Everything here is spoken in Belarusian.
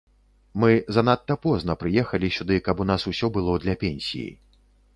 Мы занадта позна прыехалі сюды, каб у нас усё было для пенсіі.